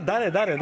誰？